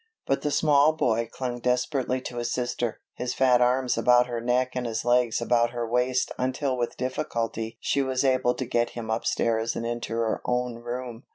But the small boy clung desperately to his sister, his fat arms about her neck and his legs about her waist until with difficulty she was able to get him upstairs and into her own room.